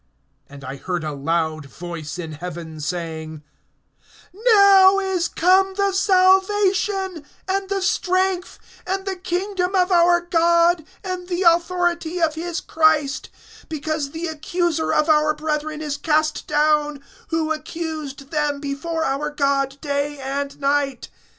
(10)And I heard a loud voice in heaven, saying: Now is come the salvation, and the strength, and the kingdom of our God, and the authority of his Christ; because the accuser of our brethren is cast down, who accused them before our God day and night.